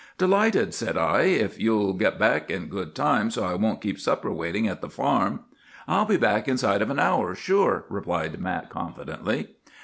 "Delighted," said I; "if you'll get back in good time, so I won't keep supper waiting at the farm." "I'll be back inside of an hour, sure," replied Mat confidently.